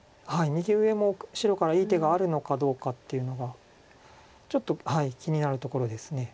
右上も白からいい手があるのかどうかっていうのがちょっと気になるところです。